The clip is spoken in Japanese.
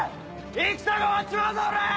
戦が終わっちまうぞおらぁ！